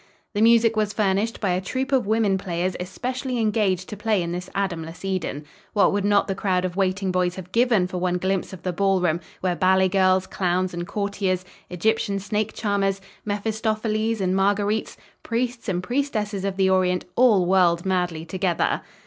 The music was furnished by a troupe of women players especially engaged to play in this Adamless Eden. What would not the crowd of waiting boys have given for one glimpse of the ball room, where ballet girls, clowns and courtiers, Egyptian snake charmers, Mephistopholeses and Marguerites, priests and priestesses of the Orient, all whirled madly together?